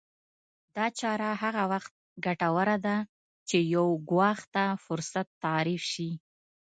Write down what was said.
دا چاره هغه وخت ګټوره ده چې يو ګواښ ته فرصت تعريف شي.